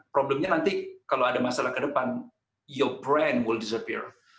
problemnya nanti kalau ada masalah ke depan your brand will disappear